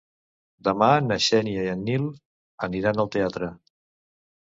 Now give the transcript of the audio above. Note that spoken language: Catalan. Demà na Xènia i en Nil aniran al teatre.